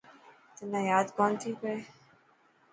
تنا ياد ڪونٿي پئي.